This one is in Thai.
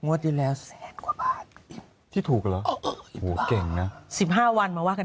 งวดยืนแล้วแสนกว่าบาท